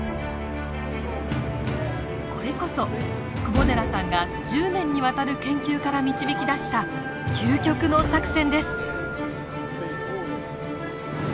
これこそ窪寺さんが１０年にわたる研究から導き出した究極の作戦です。